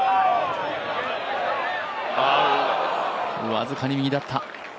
僅かに右だった。